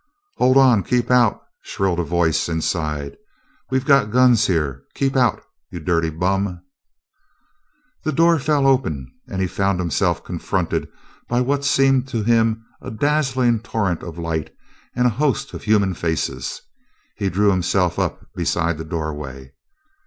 "Hold on! Keep out!" shrilled a voice inside. "We got guns here. Keep out, you dirty bum!" The door fell open, and he found himself confronted by what seemed to him a dazzling torrent of light and a host of human faces. He drew himself up beside the doorway.